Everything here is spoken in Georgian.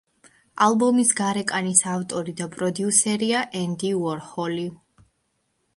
ალბომის გარეკანის ავტორი და პროდიუსერია ენდი უორჰოლი.